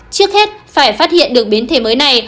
trước hết phải phát hiện được biến thể mới này